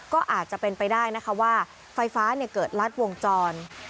ก็อาจจะเป็นไปได้นะคะว่าไฟฟ้าเกิดลัดวงจร